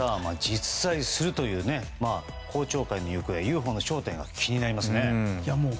実在するという公聴会の行方ＵＦＯの正体が気になりますね。